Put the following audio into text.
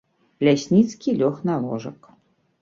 Лясніцкі лёг на ложак.